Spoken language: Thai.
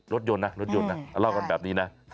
รถยนต์นะรถยนต์นะเล่ากันแบบนี้นะ